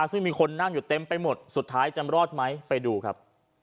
ซึ่งมีคนนั่งอยู่เต็มไปหมดสุดท้ายจะรอดไหมไปดูครับ